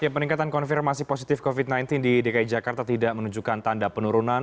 peningkatan konfirmasi positif covid sembilan belas di dki jakarta tidak menunjukkan tanda penurunan